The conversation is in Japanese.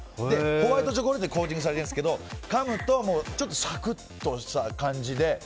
ホワイトチョコレートでコーティングされているんですけどかむとちょっとサクッとした感じで。